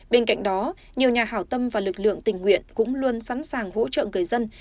bên cạnh đó nhiều nhà hảo tâm và lực lượng tình nguyện cũng luôn sẵn sàng hỗ trợ người dân